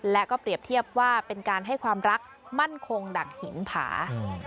และก็เปรียบเทียบว่าเป็นการให้ความรักมั่นคงดักหินผา